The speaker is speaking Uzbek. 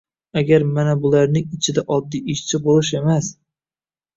agar mana bularning ichida oddiy ishchi bo‘lish emas